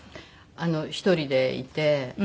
１人でいて。